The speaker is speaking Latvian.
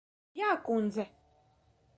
Jā, kundze.